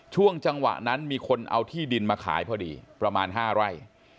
ช่วงจังหวะนั้นมีคนเอาที่ดินมาขายพอดีประมาณ๕ไร่